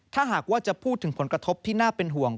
ถ้าหากว่าจะพูดถึงผลกระทบที่น่าเป็นห่วง